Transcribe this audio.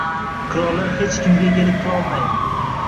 — Qirollar hech kimga egalik qilolmaydi.